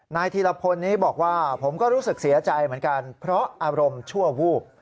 ธีรพลนี้บอกว่าผมก็รู้สึกเสียใจเหมือนกันเพราะอารมณ์ชั่ววูบ